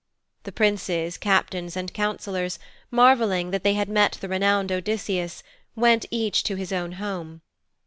The Princes, Captains and Councillors, marvelling that they had met the renowned Odysseus, went each to his own home.